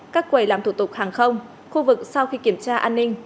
các quầy làm thủ tục hàng không khu vực sau khi kiểm tra an ninh